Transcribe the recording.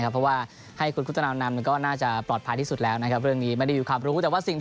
เพราะว่าให้คุณดน